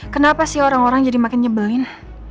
kenapa sih orang orang jadi makin nyebelin